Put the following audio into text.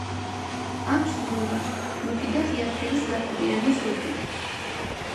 აქვს მურა, მუქი და ღია ფერის ლაქებიანი ზურგი.